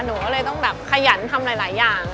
หนูก็เลยต้องแบบขยันทำหลายอย่าง